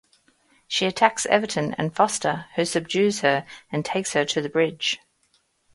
She attacks Everton and Foster, who subdues her and takes her to the bridge.